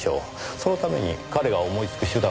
そのために彼が思いつく手段はひとつ。